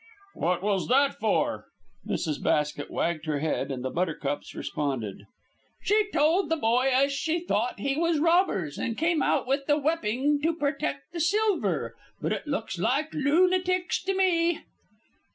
"What was that for?" Mrs. Basket wagged her head and the buttercups responded. "She told the boy as she thought he was robbers, and came out with the wepping to protect the silver. But it looks like loonatics to me."